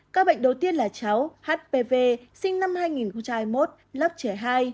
các bệnh đầu tiên là cháu hpv sinh năm hai nghìn hai mươi một lớp trẻ hai